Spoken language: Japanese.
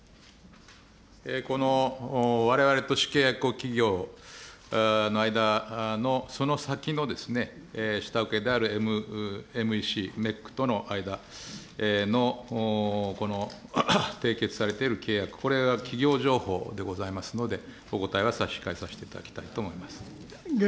このわれわれと主契約企業の間のその先の下請けであるＭＥＣ、メックとの間のこの締結されている契約、これは企業情報でございますので、お答えは差し控えさせていただきたいと思います。